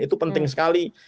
itu penting sekali